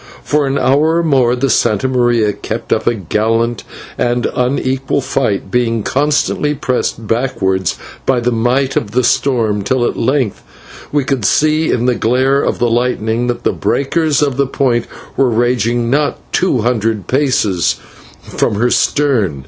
For an hour or more the /Santa Maria/ kept up a gallant and unequal fight, being constantly pressed backwards by the might of the storm, till at length we could see in the glare of the lightning that the breakers of the Point were raging not two hundred paces from her stern.